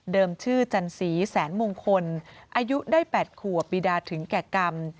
ชื่อจันสีแสนมงคลอายุได้๘ขวบบีดาถึงแก่กรรม